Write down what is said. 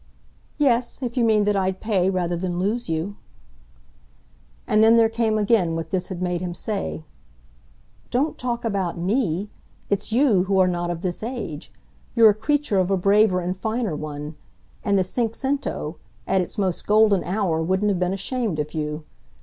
"Yes, if you mean that I'd pay rather than lose you." And then there came again what this had made him say. "Don't talk about ME it's you who are not of this age. You're a creature of a braver and finer one, and the cinquecento, at its most golden hour, wouldn't have been ashamed of you.